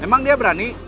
emang dia berani